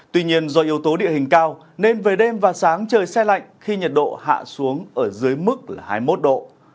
tuy nhiên do yếu tố địa hình cao nên về đêm và sáng trời xe lạnh khi nhiệt độ hạ xuống ở dưới mức là hai mươi một độ